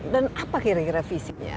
dan apa kira kira visinya